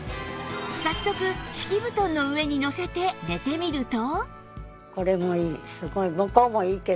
早速敷き布団の上にのせて寝てみると